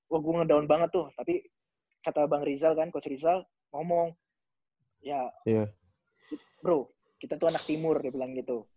wah gue ngedown banget tuh tapi kata bang rizal kan coach rizal ngomong ya bro kita tuh anak timur dia bilang gitu